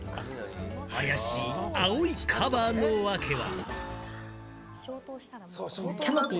怪しい青いカバーの訳は？